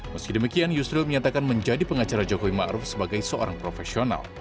meski demikian yusril menyatakan menjadi pengacara jokowi ma'ruf sebagai seorang profesional